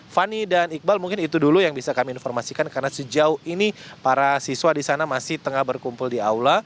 fani dan iqbal mungkin itu dulu yang bisa kami informasikan karena sejauh ini para siswa di sana masih tengah berkumpul di aula